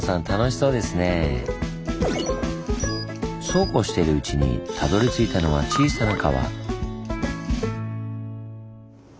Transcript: そうこうしてるうちにたどりついたのは小さな川。